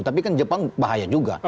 tapi kan jepang bahaya juga